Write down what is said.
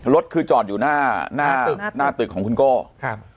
รถคือจอดอยู่หน้าหน้าตึกหน้าตึกของคุณโก้ครับ